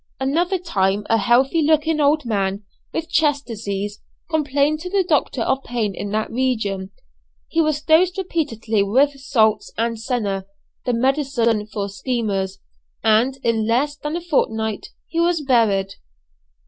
Another time a healthy looking old man, with chest disease, complained to the doctor of pain in that region. He was dosed repeatedly with salts and senna the medicine for schemers and in less than a fortnight he was buried.